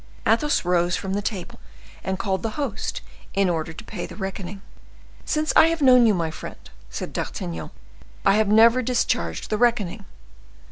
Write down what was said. Athos rose from the table and called the host in order to pay the reckoning. "Since I have known you, my friend," said D'Artagnan, "I have never discharged the reckoning.